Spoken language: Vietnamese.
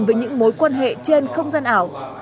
với những mối quan hệ trên không gian ảo